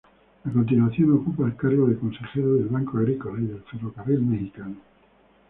A continuación ocupa el cargo de Consejero del "Banco Agrícola" y del Ferrocarril Mexicano.